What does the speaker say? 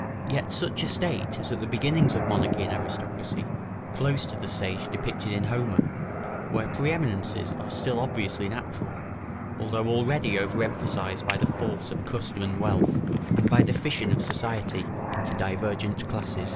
Yet such a state is at the beginnings of monarchy and aristocracy, close to the stage depicted in Homer, where pre eminences are still obviously natural, although already over emphasised by the force of custom and wealth, and by the fission of society into divergent classes.